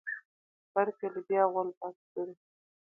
بر کلي بیا غول باد کړی.